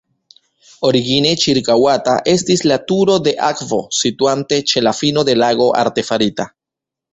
Origine ĉirkaŭata estis la turo de akvo, situante ĉe la fino de lago artefarita.